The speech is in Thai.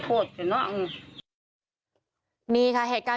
โดนฟันเละเลย